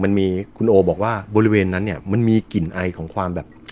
มันมีคุณโอบอกว่าบริเวณนั้นเนี่ยมันมีกลิ่นไอของความแบบ